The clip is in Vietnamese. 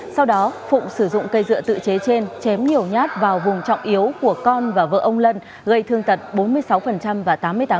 sau đó phụng sử dụng cây dựa tự chế trên chém nhiều nhát vào vùng trọng yếu của con và vợ ông lân gây thương tật bốn mươi sáu và tám mươi tám